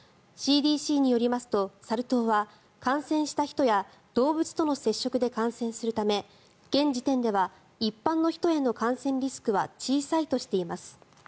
ＣＤＣによりますとサル痘は感染した人や動物との接触で感染するため現時点では一般の人への感染リスクは小さいとしています。